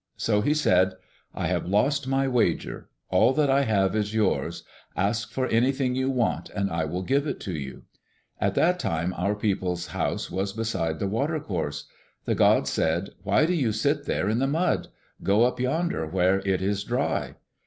So he said, "I have lost my wager. All that I have is yours. Ask for anything you want and I will give it to you." At that time, our people's house was beside the water course. The god said, "Why do you sit there in the mud? Go up yonder where it is dry."